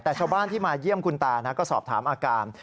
แต่ชาวบ้านที่มาเยี่ยมคุณตานะก็สอบถามอาการ